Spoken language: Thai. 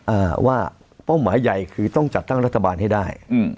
อ่าว่าเป้าหมายใหญ่คือต้องจัดตั้งรัฐบาลให้ได้อืม